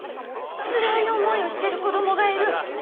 つらい思いをしている子供がいる。